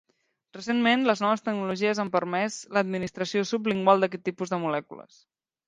Recentment, les noves tecnologies han permès l'administració sublingual d'aquest tipus de molècules.